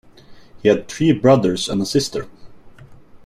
He had three brothers and a sister.